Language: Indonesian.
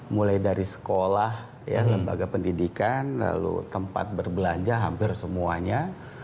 mulai dari sekolah lembaga pendidikan lalu tempat berbelanja hampir semuanya